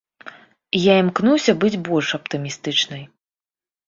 Я імкнуся быць больш аптымістычнай.